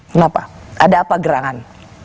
kenapa ada apa gerangan